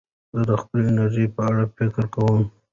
زه د خپلې انرژۍ په اړه فکر کوم.